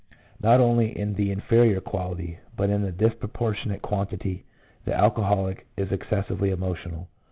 Not only in the inferior quality, but in the dis proportionate quantity, the alcoholic is excessively emotional.